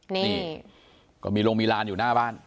นี่ก็มีโรงมีลานอยู่หน้าบ้าน